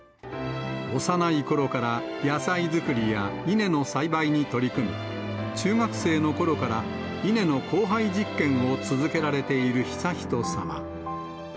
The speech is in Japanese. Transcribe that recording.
幼いころから野菜作りや稲の栽培に取り組み、中学生のころから稲の交配実験を続けられている悠仁さま。